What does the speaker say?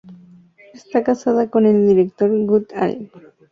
Está casada con el director Woody Allen.